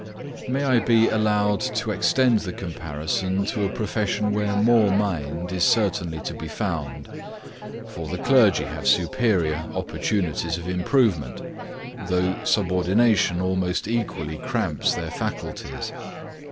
May I be allowed to extend the comparison to a profession where more mind is certainly to be found; for the clergy have superior opportunities of improvement, though subordination almost equally cramps their faculties?